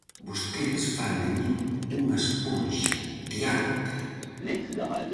-Vostedes fan de min unha esponxa, diantre!